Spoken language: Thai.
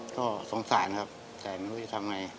ก็สงสารครับแต่ไม่รู้จะทำไง